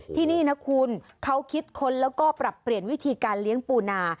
ที่นี่นะคุณเขาคิดค้นแล้วก็ปรับเปลี่ยนวิธีการเลี้ยงปูนา